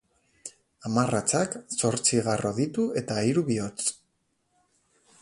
Hamarratzak zortzi garro ditu eta hiru bihotz.